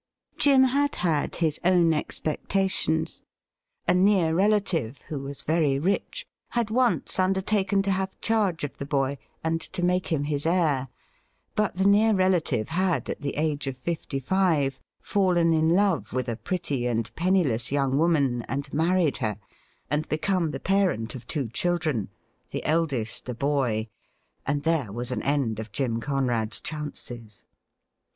Jim had had his own expectations. A near relative, who was very rich, had once undertaken to have charge of the boy and to make him his heir ; but the near relative had, at the age of fifty five, fallen in love with a pretty and penniless young woman, and married her, and become the parent of two children, the eldest a boy, and there was an end of Jim Conrad's chances.